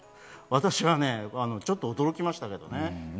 私はね、ちょっと驚きましたね。